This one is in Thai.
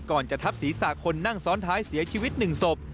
จะทับศีรษะคนนั่งซ้อนท้ายเสียชีวิต๑ศพ